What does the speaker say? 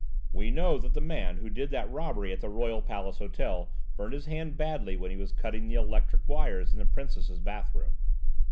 "We know that the man who did that robbery at the Royal Palace Hotel burned his hand badly when he was cutting the electric wires in the Princess's bathroom.